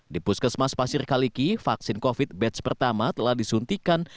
di puskesmas pasir kaliki vaksin covid sembilan belas batch pertama telah disuntikan